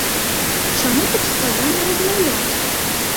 Чаму так складана размаўляць?